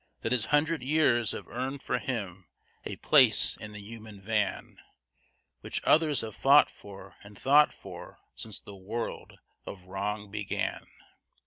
That his hundred years have earned for him a place in the human van Which others have fought for and thought for since the world of wrong began?